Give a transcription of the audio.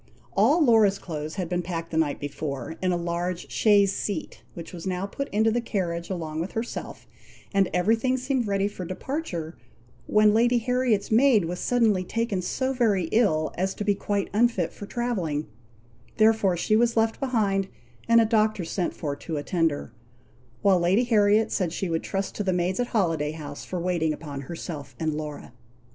All Laura's clothes had been packed the night before, in a large chaise seat, which was now put into the carriage along with herself, and every thing seemed ready for departure, when Lady Harriet's maid was suddenly taken so very ill, as to be quite unfit for travelling; therefore she was left behind, and a doctor sent for to attend her; while Lady Harriet said she would trust to the maids at Holiday House, for waiting upon herself and Laura.